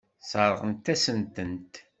Sseṛɣent-asent-tent.